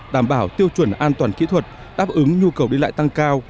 đảm bảo tiêu chuẩn an toàn kỹ thuật đáp ứng nhu cầu đi lại tăng cao